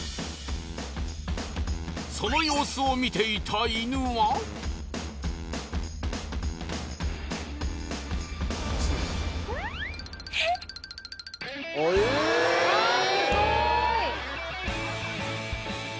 その様子を見ていた犬はええあっ